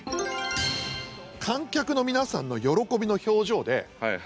観客の皆さんの喜びの表情で。